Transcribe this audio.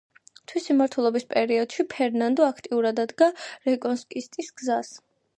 თვისი მმართველობის პერიოდში ფერნანდო აქტიურად ადგა რეკონკისტის გზას.